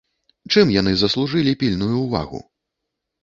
Чым яны заслужылі пільную ўвагу?